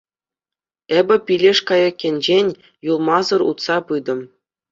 Эпӗ пилеш кайӑкӗнчен юлмасӑр утса пытӑм.